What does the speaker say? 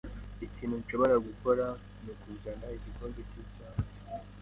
Ikintu nshobora gukora nukuzana igikombe cyicyayi.